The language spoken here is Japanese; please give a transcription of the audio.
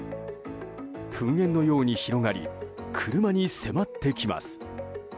噴煙のように広がり車に迫ってきます。